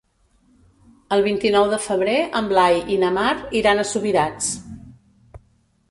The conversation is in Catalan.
El vint-i-nou de febrer en Blai i na Mar iran a Subirats.